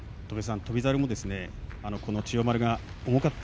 翔猿もこの千代丸が重かった。